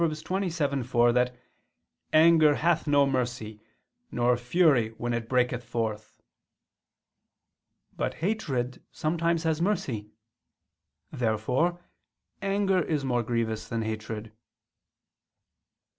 27:4) that "anger hath no mercy, nor fury when it breaketh forth." But hatred sometimes has mercy. Therefore anger is more grievous than hatred.